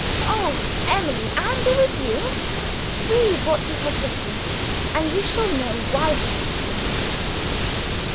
"Oh, Emily, angry with You! Read what he has written and you shall know why he keeps away."